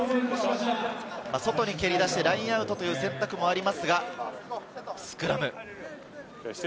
外に蹴り出してラインアウトという選択もありますが、スクラム。